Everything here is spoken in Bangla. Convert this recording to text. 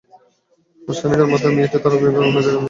মাস খানেকের মাথায় মেয়েটিকে তার অভিভাবক অন্য জায়গায় নিয়ে বিয়ে দেন।